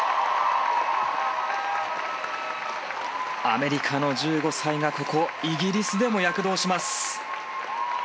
アメリカの１５歳がここイギリスでも躍動します。